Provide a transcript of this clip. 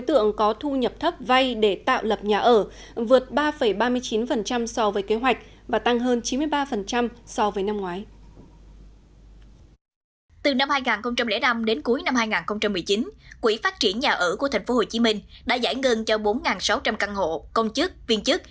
từ năm hai nghìn năm đến cuối năm hai nghìn một mươi chín quỹ phát triển nhà ở của tp hcm đã giải ngân cho bốn sáu trăm linh căn hộ công chức viên chức